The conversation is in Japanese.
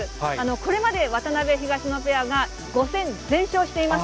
これまで渡辺・東野ペアが５戦全勝しています。